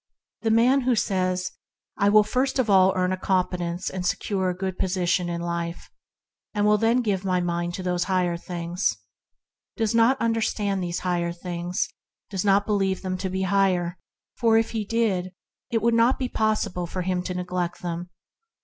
The man who says, "I will first of all earn a competence and secure a good posi tion in life, and then give my mind to these higher things," does not understand these higher things and does not believe them to be higher; if he did, it would not be possible for him to neglect them.